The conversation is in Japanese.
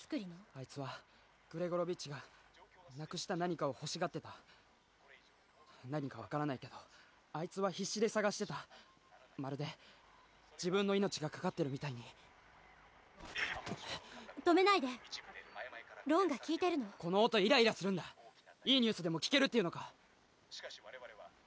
あいつはグレゴロビッチがなくした何かを欲しがってた何か分からないけどあいつは必死で探してたまるで自分の命がかかってるみたいに止めないでロンが聞いてるのこの音イライラするんだいいニュースでも聞けるっていうのか？